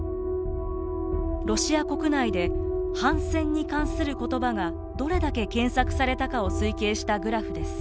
ロシア国内で反戦に関する言葉がどれだけ検索されたかを推計したグラフです。